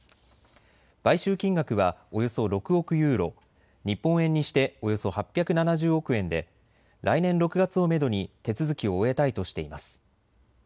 買収金額はおよそ６億ユーロ、日本円にしておよそ８７０億円で来年６月をめどに手続きを終えたいとしています。